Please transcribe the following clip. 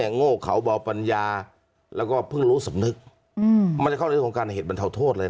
โง่เขาเบาปัญญาแล้วก็เพิ่งรู้สำนึกอืมมันจะเข้าในของการเหตุบันเทาโทษเลยน่ะ